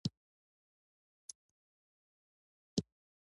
د جنوبي ایالتونو ځمکوالو پر بنسټونو خپل رسمي کنټرول له لاسه ورکړ.